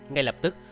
ngay lập tức